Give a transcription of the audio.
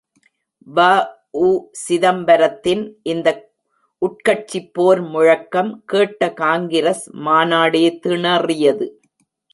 வ.உசிதம்பரத்தின் இந்த உட்கட்சிப் போர் முழக்கம் கேட்ட காங்கிரஸ் மாநாடே திணறியது!